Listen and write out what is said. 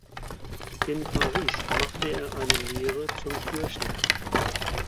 In Paris machte er eine Lehre zum Kürschner.